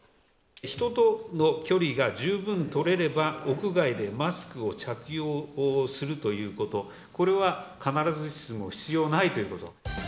人との距離が十分取れれば、屋外でマスクを着用するということ、これは必ずしも必要ないということ。